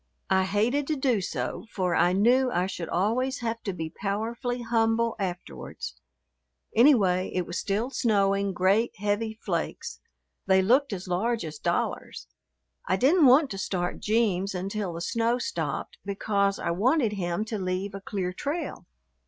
I hated to do so, for I knew I should always have to be powerfully humble afterwards. Anyway it was still snowing, great, heavy flakes; they looked as large as dollars. I didn't want to start "Jeems" until the snow stopped because I wanted him to leave a clear trail.